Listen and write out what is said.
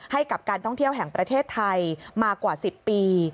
ให้กับการท่องเที่ยวแห่งประเทศไทยมากว่า๑๐ปี